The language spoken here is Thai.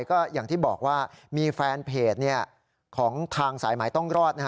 ก็อย่างที่บอกว่ามีแฟนเพจของทางสายหมายต้องรอด